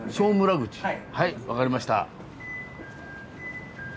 口はい分かりました。